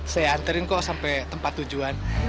saya anterin kok sampai tempat tujuan